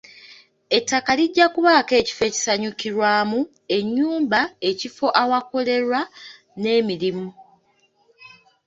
Ettaka lijja kubaako ekifo ekisanyukirwamu, ennyumba, ekifo awakolerwa n'emirimu.